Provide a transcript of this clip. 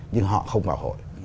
nhưng họ không vào hội